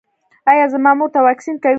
ایا زما مور ته واکسین کوئ؟